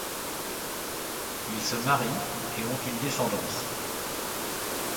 Ils se marient et ont une descendance.